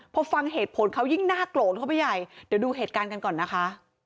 พอฟังเหตุผลเขายิ่งน่าโกรธเข้าไปใหญ่เดี๋ยวดูเหตุการณ์กันก่อนนะคะ